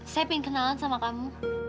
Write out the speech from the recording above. saya ingin kenalan sama kamu